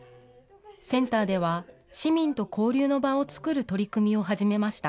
センターでは、市民と交流の場を作る取り組みを始めました。